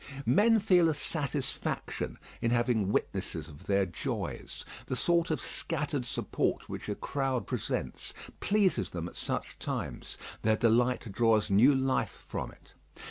Men feel a satisfaction in having witnesses of their joys. The sort of scattered support which a crowd presents pleases them at such times; their delight draws new life from it.